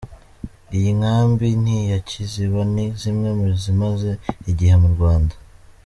Iyi nkambi n’iya Kiziba ni zimwe mu zimaze igihe mu Rwanda.